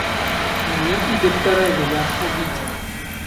Мне и доктора велят ходить.